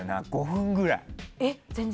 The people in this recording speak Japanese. ５分くらい。